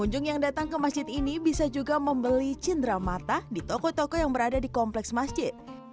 pengunjung yang datang ke masjid ini bisa juga membeli cindera mata di toko toko yang berada di kompleks masjid